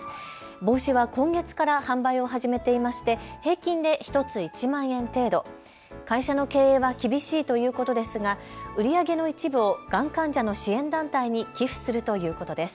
帽子は今月から販売を始めていまして平均で１つ１万円程度、会社の経営は厳しいということですが売り上げの一部をがん患者の支援団体に寄付するということです。